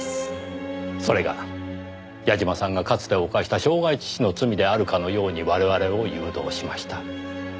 それが矢嶋さんがかつて犯した傷害致死の罪であるかのように我々を誘導しました。